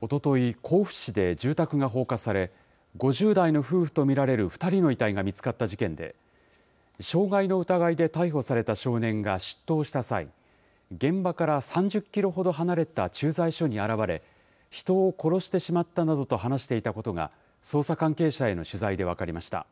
おととい、甲府市で住宅が放火され、５０代の夫婦と見られる２人の遺体が見つかった事件で、傷害の疑いで逮捕された少年が出頭した際、現場から３０キロほど離れた駐在所に現れ、人を殺してしまったなどと話していたことが、捜査関係者への取材で分かりました。